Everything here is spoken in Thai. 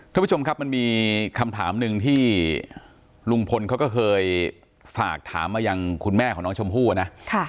ท่านผู้ชมครับมันมีคำถามหนึ่งที่ลุงพลเขาก็เคยฝากถามมายังคุณแม่ของน้องชมพู่นะ